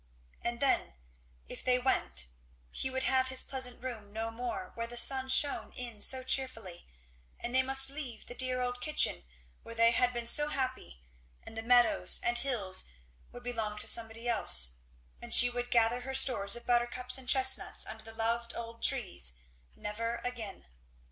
And then, if they went, he would have his pleasant room no more where the sun shone in so cheerfully, and they must leave the dear old kitchen where they had been so happy, and the meadows and hills would belong to somebody else; and she would gather her stores of buttercups and chestnuts under the loved old trees never again.